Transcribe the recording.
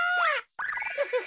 ウフフ。